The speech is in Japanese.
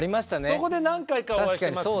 そこで何回かお会いしますもん。